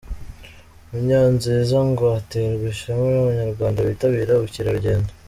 Munyanziza ngo aterwa ishema n’abanyarwanda bitabira ubukerarugendo.